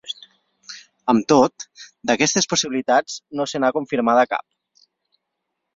Amb tot, d’aquestes possibilitats no se n’ha confirmada cap.